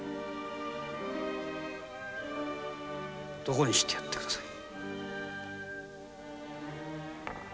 漢にしてやってください。